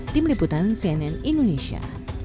tim liputan cnn indonesia